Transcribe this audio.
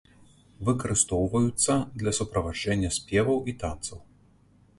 Выкарыстоўваюцца для суправаджэння спеваў і танцаў.